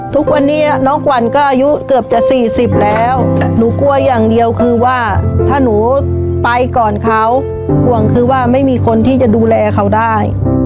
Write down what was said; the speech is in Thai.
ถ้าหนูไปก่อนเขาห่วงคือว่าไม่มีคนที่จะดูแลเขาได้